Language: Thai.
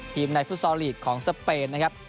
ในฟุตซอลลีกของสเปนนะครับ